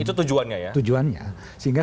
itu tujuannya ya tujuannya sehingga